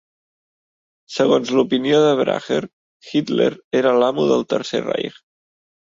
Segons l'opinió de Bracher, Hitler era l'"Amo del Tercer Reich".